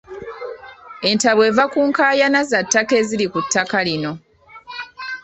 Entabwe eva ku nkaayana za ttaka eziri ku ttaka lino.